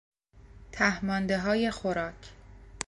ته ماندههای خوراک